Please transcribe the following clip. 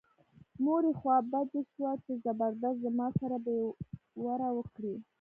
مور یې خوا بډۍ شوه چې زبردست زما سره بې وري وکړه.